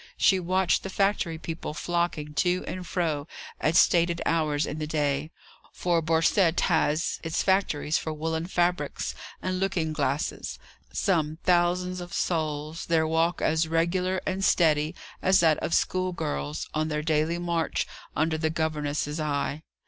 She watched the factory people flocking to and fro at stated hours in the day for Borcette has its factories for woollen fabrics and looking glasses some thousands of souls, their walk as regular and steady as that of school girls on their daily march under the governess's eye.